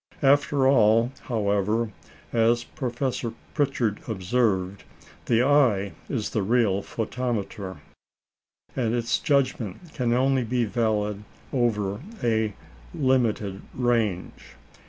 After all, however, as Professor Pritchard observed, "the eye is the real photometer," and its judgment can only be valid over a limited range.